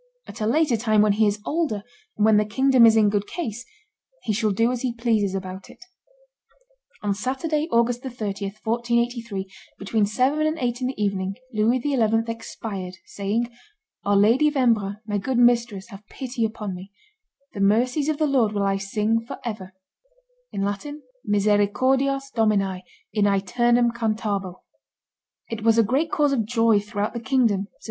At a later time, when he is older, and when the kingdom is in good case, he shall do as he pleases about it." [Illustration: Louis XI 260] On Saturday, August 30, 1483, between seven and eight in the evening, Louis XI. expired, saying, "Our Lady of Embrun, my good mistress, have pity upon me; the mercies of the Lord will I sing forever (misericordias Domini in ceternum cantabo)." "It was a great cause of joy throughout the kingdom," says M.